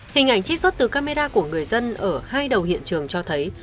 hình ảnh trích xuất từ camera của người dân ở hai đầu hiện trường cho thấy